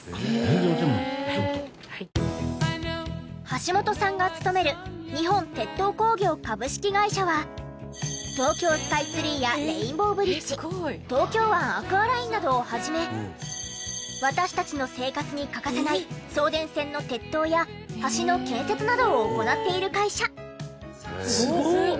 橋本さんが勤める日本鉄塔工業株式会社は東京スカイツリーやレインボーブリッジ東京湾アクアラインなどを始め私たちの生活に欠かせない送電線の鉄塔や橋の建設などを行っている会社。